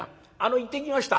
「行ってきました」。